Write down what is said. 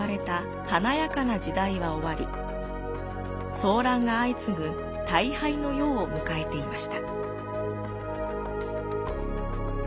騒乱が相次ぐ退廃の世を迎えていました。